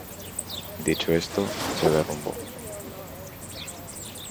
Dicho esto, se derrumbó.